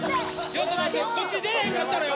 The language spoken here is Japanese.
ちょっと待ってこっち出えへんかったらよ